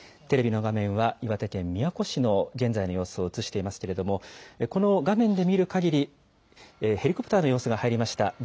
テレビの画面は、岩手県宮古市の現在の様子を映していますけれども、この画面で見るかぎり、ヘリコプターの様子が入りました。